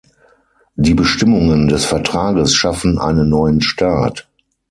Die Bestimmungen des Vertrages schaffen einen neuen Staat.